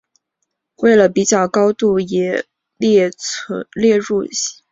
为了比较高度也列入现存的结构物。